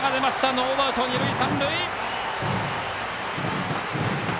ノーアウト、二塁三塁！